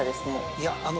いやあの。